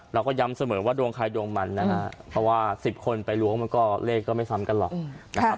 เราก็ย้ำเสมอว่าดวงใครดวงมันนะฮะเพราะว่า๑๐คนไปล้วงมันก็เลขก็ไม่ซ้ำกันหรอกนะครับ